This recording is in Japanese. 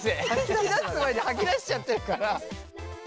聞き出す前に吐き出しちゃってるから。